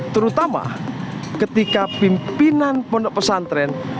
terutama ketika pimpinan pondok pesantren